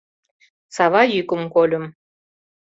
Сава йӱкым кольым;